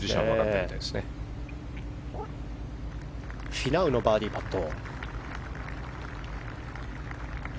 フィナウのバーディーパット。